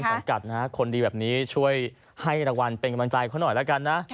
สังกัดนะคนดีแบบนี้ช่วยให้รางวัลเป็นกำลังใจเขาหน่อยแล้วกันนะ